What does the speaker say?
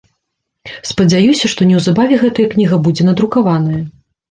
Спадзяюся, што неўзабаве гэтая кніга будзе надрукаваная.